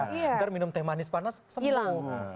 nanti minum teh manis panas semuanya